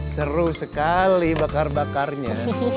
seru sekali bakar bakarnya